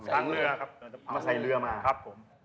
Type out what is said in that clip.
ใส่เรือครับ